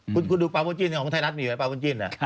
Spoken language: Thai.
คุณดูปลาวนจินของไทยรัฐมีอยู่ไหมปลาวนจิน